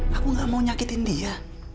saya tidak mau menyakiti dia